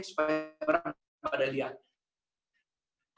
supaya orang tidak melihat